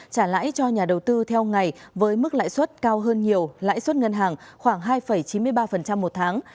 trả lãi cho nhà đầu tư theo ngày với mức lãi suất cao hơn nhiều lãi suất ngân hàng khoảng hai chín mươi ba một tháng